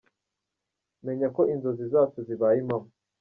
Menya ko inzozi zacu zibaye impamo.